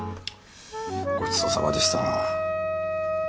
ごちそうさまでした。